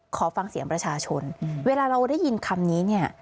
ขอฟังเสียงประชาชนเวลาเราได้ยินคำนี้เนี่ย